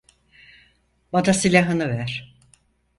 Bana silahını ver.